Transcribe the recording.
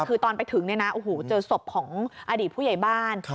คือตอนไปถึงเนี่ยนะโอ้โหเจอศพของอดีตผู้ใหญ่บ้าน